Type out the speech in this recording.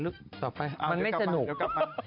มันไม่สนุก